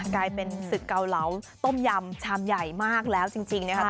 กลายเป็นศึกเกาเหลาต้มยำชามใหญ่มากแล้วจริงนะครับ